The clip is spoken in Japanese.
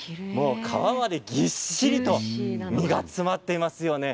皮までぎっしりと実が詰まっていますよね。